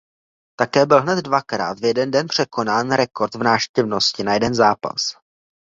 Také byl hned dvakrát v jeden den překonán rekord v návštěvnosti na jeden zápas.